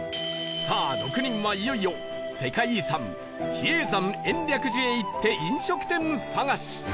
さあ６人はいよいよ世界遺産比叡山延暦寺へ行って飲食店探し